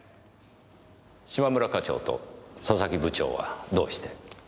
嶋村課長と佐々木部長はどうして？